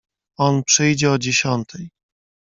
"On przyjdzie o dziesiątej."